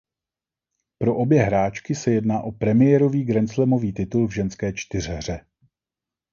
Pro obě hráčky se jedná o premiérový grandslamový titul v ženské čtyřhře.